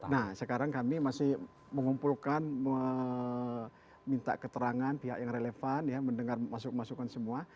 nah sekarang kami masih mengumpulkan meminta keterangan pihak yang relevan ya mendengar masukan masukan semua